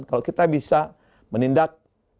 kalau kita bisa menindak